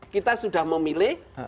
kita sudah memilih